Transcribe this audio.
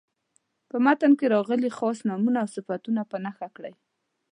په متن کې راغلي خاص نومونه او صفتونه په نښه کړئ.